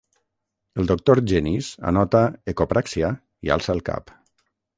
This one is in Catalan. El doctor Genís anota «ecopràxia» i alça el cap.